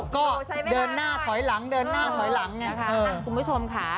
ก็เดินหน้าถอยหลังคุณผู้ชมค่ะ